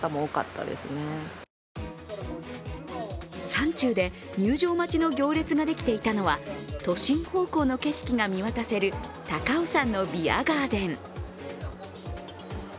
山中で入場待ちの行列ができていたのは都心方向の景色が見渡せる高尾山のビアガーデン。